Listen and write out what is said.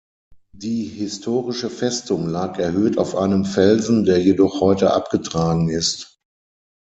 Die historische Festung lag erhöht auf einem Felsen, der jedoch heute abgetragen ist.